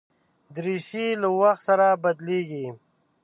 دریشي له وخت سره بدلېږي.